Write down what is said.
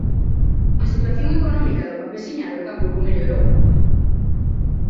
A situación económica do campesiñado tampouco mellorou.